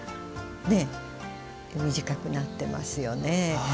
短くなっていますよね。